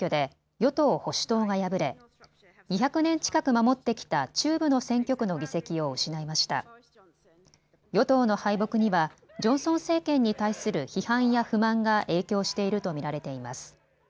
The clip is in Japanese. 与党の敗北にはジョンソン政権に対する批判や不満が影響していると見られています。